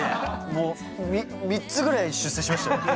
もう３つぐらい出世しましたよね。